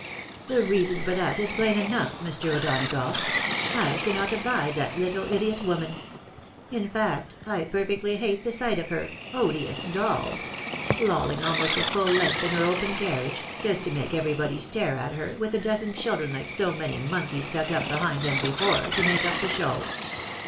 " The reason for that is plain enough, Mr. O'Donagough — I cannot abide that httle idiot woman ; in fact, I perfectly hate the sight of her — odioiis doU ! lolling almost at fuU length in her open carriage, just to make everybody stare at her, with a dozen children hke so many monkeys stuck up behind and before, to make up the show."